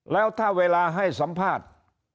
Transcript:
แล้วถ้าเวลาให้สัมภาษณ์